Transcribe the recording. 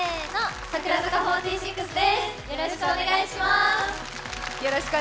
よろしくお願いします。